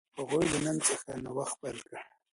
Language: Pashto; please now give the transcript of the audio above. هغوی له نن څخه نوښت پیل کړ.